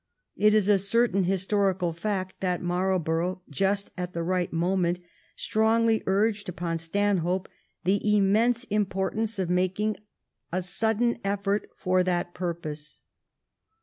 It is a certain historical fact that Marlborough, just at the right moment, strongly urged upon Stanhope the immense importance of making a sudden effort for that purpose.